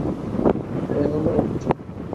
এ হলো অক্টি।